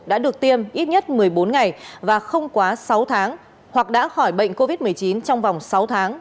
đã được tiêm ít nhất một mươi bốn ngày và không quá sáu tháng hoặc đã khỏi bệnh covid một mươi chín trong vòng sáu tháng